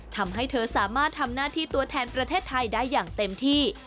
ทำให้เธอสามารถทำหน้าที่ตัวแทนประเทศไทยได้อย่างเต็มที่